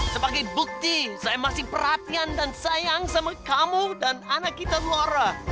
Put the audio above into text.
sebagai bukti saya masih perhatian dan sayang sama kamu dan anak kita flora